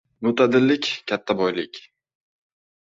• Mo‘tadillik — katta boylik.